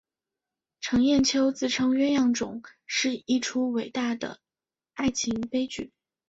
程砚秋自称鸳鸯冢是一出伟大的爱情悲剧。